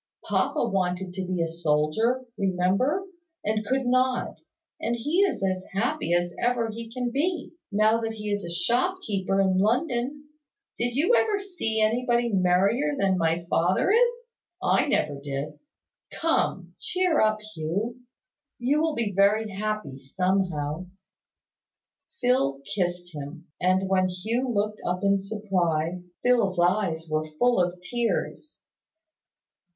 Papa wanted to be a soldier, remember, and could not; and he is as happy as ever he can be, now that he is a shop keeper in London. Did you ever see anybody merrier than my father is? I never did. Come! Cheer up, Hugh! You will be very happy somehow." Phil kissed him: and when Hugh looked up in surprise, Phil's eyes were full of tears.